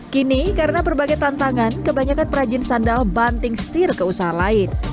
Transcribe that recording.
kini karena berbagai tantangan kebanyakan perajin sandal banting setir ke usaha lain